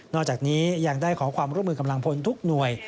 อกจากนี้ยังได้ขอความร่วมมือกำลังพลทุกหน่วย